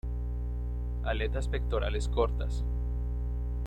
Aletas pectorales cortas.